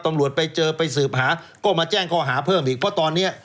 ตำรวจไปเจอไปสืบหาก็มาแจ้งข้อหาเพิ่มอีกเพราะตอนเนี้ย